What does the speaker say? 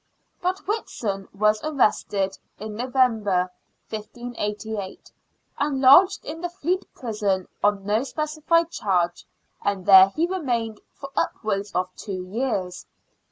But Whitson was arrested in November, 1588, and lodged in the Fleet Prison on no specified charge, and there he remained for upwards of two years.